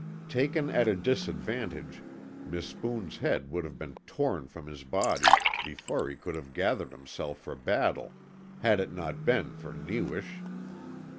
Taken at a disadvantage Mispoon's head would have been torn from his body before he could have gathered himself for battle had it not been for Newish.